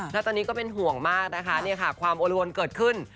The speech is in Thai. แล้วตอนนี้ก็เป็นห่วงมากนะคะเนี่ยค่ะความโอละวนเกิดขึ้น